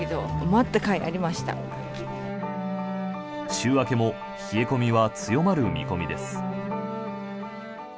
週明けも冷え込みは強まる見込みです。